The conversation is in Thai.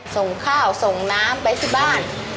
ส่งข้าวส่งน้ำไปที่บ้าน